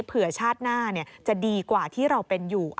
ชาติหน้าจะดีกว่าที่เราเป็นอยู่